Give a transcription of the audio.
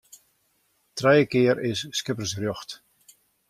Trije kear is skippersrjocht.